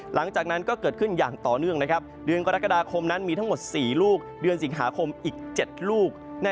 หลังจากนั้นก็เกิดขึ้นอย่างต่อเนื่องเดือนกรกฎาคมนั้นมีทั้งหมด๔ลูกเดือนสิงหาคมอีก๗ลูก